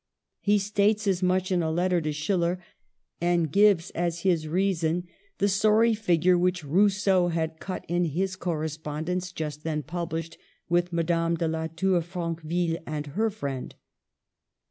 He states as much in a letter to Schil ler, and gives as his reason the sorry figure which Rousseau had cut in his correspondence — just then published — with Madame de la Tour Franqueville and her friend.